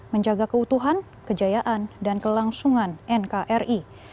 menjaga keutuhan kejayaan dan kelangsungan nkri